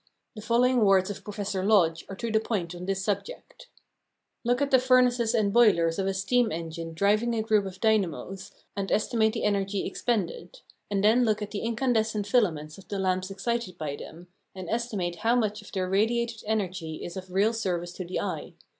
The following words of Professor Lodge are to the point on this subject: "Look at the furnaces and boilers of a steam engine driving a group of dynamos, and estimate the energy expended; and then look at the incandescent filaments of the lamps excited by them, and estimate how much of their radiated energy is of real service to the eye.